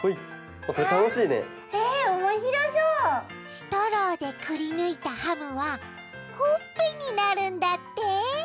ストローでくりぬいたハムはほっぺになるんだって！